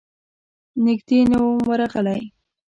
نږدې نه وم ورغلی.